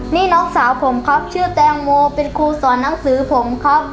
นี่น้องสาวผมครับชื่อแตงโมเป็นครูสอนหนังสือผมครับ